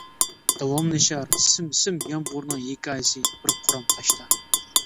داۋاملىشار سىم-سىم يامغۇرنىڭ-ھېكايىسى بىر قورام تاشتا.